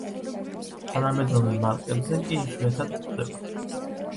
თანამედროვე მარკებზე კი იშვიათად გვხვდება.